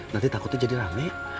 nanti takutnya jadi rame